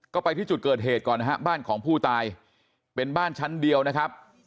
ก็ไปที่จุดเกิดเหตุก่อนนะฮะบ้านของผู้ตายเป็นบ้านชั้นเดียวนะครับ